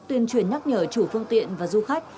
tuyên truyền nhắc nhở chủ phương tiện và du khách